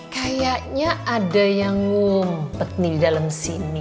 kayaknya ada yang mumpet di dalam sini